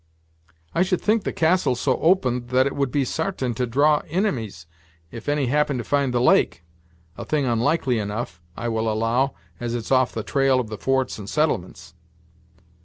"I should think the castle so open, that it would be sartain to draw inimies, if any happened to find the lake; a thing onlikely enough, I will allow, as it's off the trail of the forts and settlements."